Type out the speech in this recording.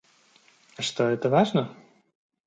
А что, это важно?